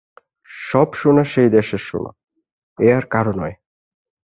সব সোনা সেই দেশের সোনা, এ আর কারো নয়!